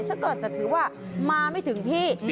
ถ้าเกิดจะถือว่ามาไม่ถึงที่